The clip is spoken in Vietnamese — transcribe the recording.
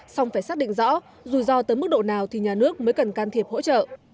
xong phải xác định rõ rủi ro tới mức độ nào thì nhà nước mới cần can thiệp hỗ trợ